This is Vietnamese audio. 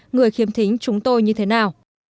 người khiếm thính chúng tôi như thế nào